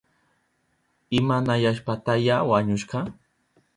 ¿Imanashpataya wañushka?